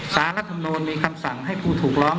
สารรัฐมนูลมีคำสั่งให้ผู้ถูกร้อง